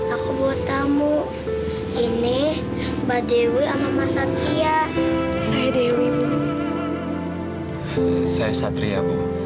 aku mau tamu ini mbak dewi sama mas satria saya dewi saya satria